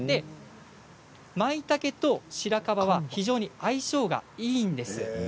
まいたけとシラカバは非常に相性がいいんです。